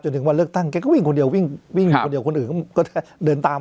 ถึงวันเลือกตั้งแกก็วิ่งคนเดียววิ่งวิ่งคนเดียวคนอื่นก็เดินตาม